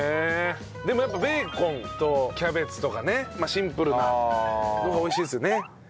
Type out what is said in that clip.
でもやっぱベーコンとキャベツとかねシンプルなのが美味しいですよね。